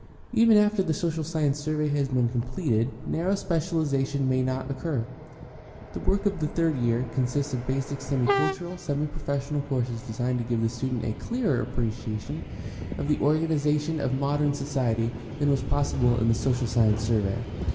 Even after the social science survey has been com pleted narrow specialization may not occur. The work of the third year consists of basic semi cultural, semi professional courses designed to give the student a clearer appreciation of the organization of modem society than was possible in the social science survey.